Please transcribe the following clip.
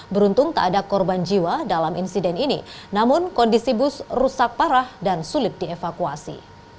beruntung tak ada korban jiwa dalam insiden ini namun kondisi bus rusak parah dan sulit dievakuasi